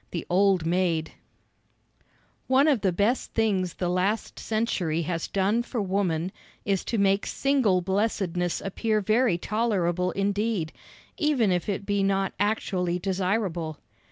The Old Maid One of the best things the last century has done for woman is to make single blessedness appear very tolerable indeed, even if it be not actually desirable.